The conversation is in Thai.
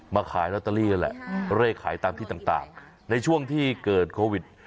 ขายลอตเตอรี่นั่นแหละเลขขายตามที่ต่างในช่วงที่เกิดโควิด